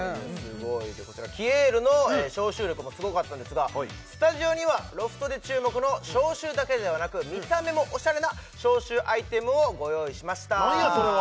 こちらきえるの消臭力もすごかったんですがスタジオにはロフトで注目の消臭だけではなく見た目もオシャレな消臭アイテムをご用意しました何やそれは？